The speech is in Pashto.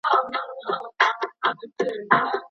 د مسلکي کسانو فرار څه اغیزه لري؟